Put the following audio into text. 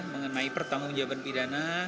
mengenai pertanggung jawaban pidana